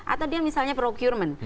atau dia misalnya procurement